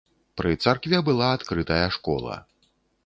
Пры царкве была адкрытая школа.